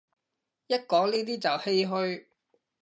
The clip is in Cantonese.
一講呢啲就唏噓